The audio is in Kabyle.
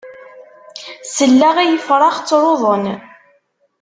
Selleɣ i ifrax ttruḍen.